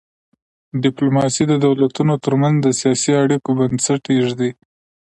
ډیپلوماسي د دولتونو ترمنځ د سیاسي اړیکو بنسټ ایږدي.